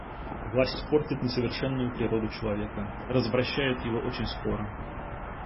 Власть портит несовершенную природу человека, развращает его очень скоро.